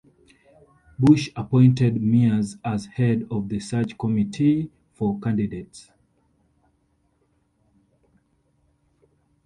Bush appointed Miers as head of the search committee for candidates.